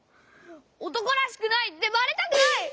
おとこらしくないってバレたくない！